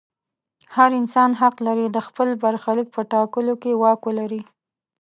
هر انسان حق لري د خپل برخلیک په ټاکلو کې واک ولري.